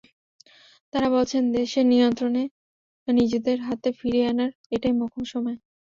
তাঁরা বলছেন, দেশের নিয়ন্ত্রণ নিজেদের হাতে ফিরিয়ে আনার এটাই মোক্ষম সময়।